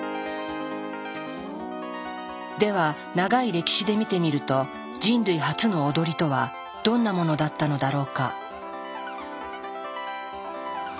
では長い歴史で見てみると人類初の踊りとはどんなものだったのだろうか。